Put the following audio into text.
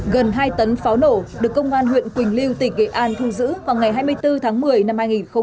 gần hai tấn pháo nổ được công an huyện quỳnh lưu tỉnh nghệ an thu giữ vào ngày hai mươi bốn tháng một mươi năm hai nghìn một mươi chín